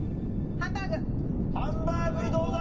ハンバーグどうだ？